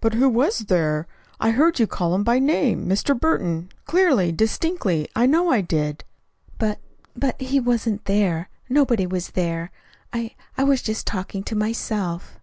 "But who was there? I heard you call him by name, 'Mr. Burton,' clearly, distinctly. I know I did." "But but he wasn't there. Nobody was there. I I was just talking to myself."